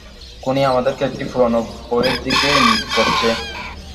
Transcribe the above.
খুনি আমাদেরকে একটি পুরোনো বইয়ের দিকে ইঙ্গিত করছে।